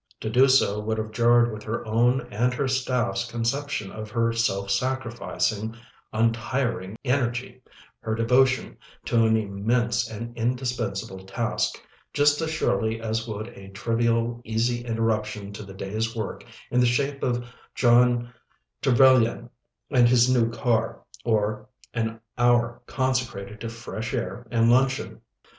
To do so would have jarred with her own and her staff's conception of her self sacrificing, untiring energy, her devotion to an immense and indispensable task, just as surely as would a trivial, easy interruption to the day's work in the shape of John Trevellyan and his new car, or an hour consecrated to fresh air and luncheon.